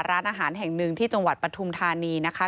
ร้านอาหารแห่งหนึ่งที่จังหวัดปฐุมธานีนะคะ